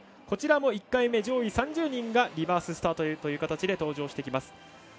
こちらも１回目、上位３０人がリバーススタートという形で登場していきます。